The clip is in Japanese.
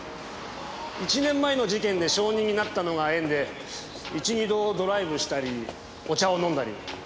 １年前の事件で証人になったのが縁で一二度ドライブしたりお茶を飲んだり。